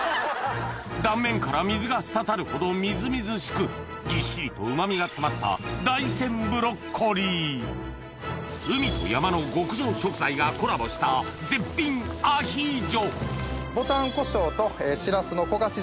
断面から水が滴るほどみずみずしくぎっしりとうま味が詰まった海と山の極上食材がコラボした絶品アヒージョうわ